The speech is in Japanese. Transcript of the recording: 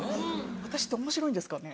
私っておもしろいんですかね？